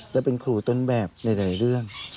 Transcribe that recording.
และเป็นครูต้นแบบหลายเรื่อง